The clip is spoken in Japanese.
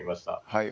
はい。